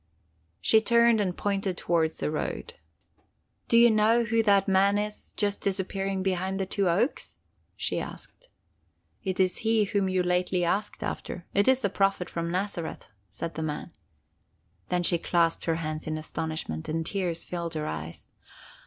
"She turned and pointed toward the road. 'Do you know who that man is just disappearing behind the two oaks?' she asked. "'It is he whom you lately asked after; it is the Prophet from Nazareth,' said the man. Then she clasped her hands in astonishment, and tears filled her eyes.